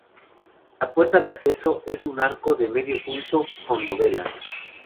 La puerta de acceso es un arco de medio punto, con dovelas.